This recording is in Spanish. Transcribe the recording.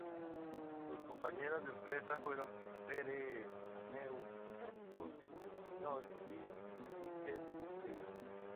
Sus compañeros de empresa fueron Pere Romeu, Rusiñol y Miquel Utrillo.